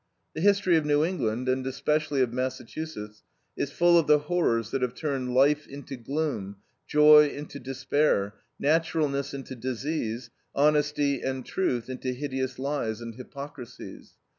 The history of New England, and especially of Massachusetts, is full of the horrors that have turned life into gloom, joy into despair, naturalness into disease, honesty and truth into hideous lies and hypocrisies.